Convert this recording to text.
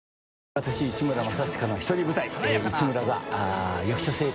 私市村正親の一人舞台「市村座」